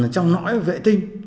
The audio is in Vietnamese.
trong nõi vệ tinh